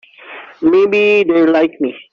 Maybe they're like me.